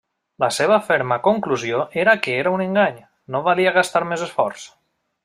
La seva ferma conclusió era que era un engany, no valia gastar més esforç.